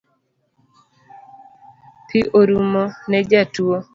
Pi orumo ne jatuo